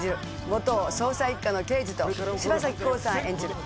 元捜査一課の刑事と柴咲コウさん演じる